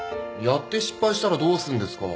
やって失敗したらどうすんですか